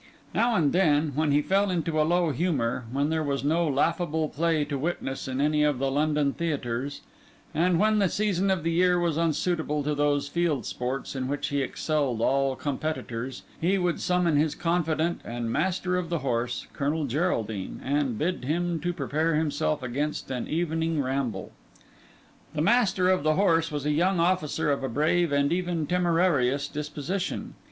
Now and then, when he fell into a low humour, when there was no laughable play to witness in any of the London theatres, and when the season of the year was unsuitable to those field sports in which he excelled all competitors, he would summon his confidant and Master of the Horse, Colonel Geraldine, and bid him prepare himself against an evening ramble. The Master of the Horse was a young officer of a brave and even temerarious disposition.